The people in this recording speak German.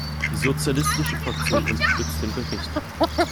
Die sozialistische Fraktion unterstützt den Bericht.